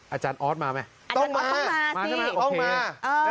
อาจารย์ออธมาไหมต้องมามาใช่ไหมต้องมาต้องมาโอเคเอ่อ